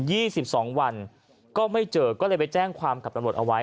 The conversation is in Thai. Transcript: สิบสองวันก็ไม่เจอก็เลยไปแจ้งความกับตำรวจเอาไว้